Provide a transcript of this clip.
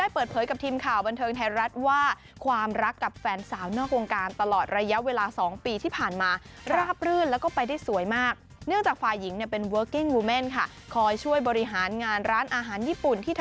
เป็นยุคเราวัยรุ่นสมัยก่อนโอ้โฮ